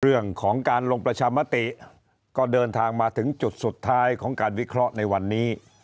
เรื่องของการลงประชามติก็เดินทางมาถึงจุดสุดท้ายของการวิเคราะห์ในวันนี้